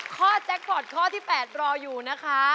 แจ็คพอร์ตข้อที่๘รออยู่นะคะ